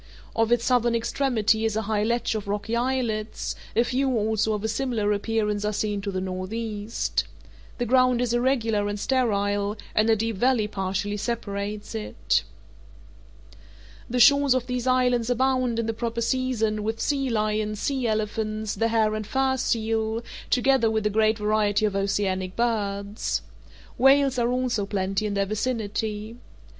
Off its southern extremity is a high ledge of rocky islets; a few also of a similar appearance are seen to the northeast. The ground is irregular and sterile, and a deep valley partially separates it. The shores of these islands abound, in the proper season, with sea lions, sea elephants, the hair and fur seal, together with a great variety of oceanic birds. Whales are also plenty in their vicinity.